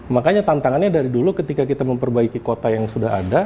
makanya tantangannya dari dulu ketika kita memperbaiki kota yang sudah ada